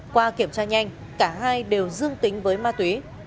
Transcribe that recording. qua kiểm tra nhanh cả hai đều dương tính với ma túy